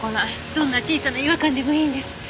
どんな小さな違和感でもいいんです。